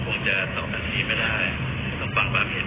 ดูแลนี้คงไม่มีเรื่องพูดยึน